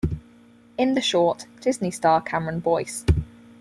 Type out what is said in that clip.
In the short, Disney star Cameron Boyce.